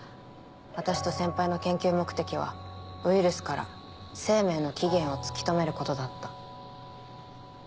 私と先輩の研究目的はウイルスから生命の起源を突き止めることだった。